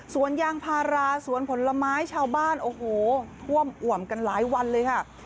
ยางพาราสวนผลไม้ชาวบ้านโอ้โหท่วมอ่วมกันหลายวันเลยค่ะ